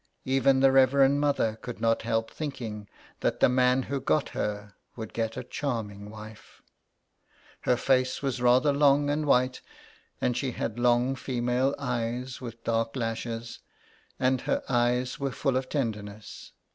Even the Reverend Mother could not help thinking that the man who got her would get a charming wife. Her face was rather long and white, and she had long female eyes with dark lashes, and her eyes were full of tenderness.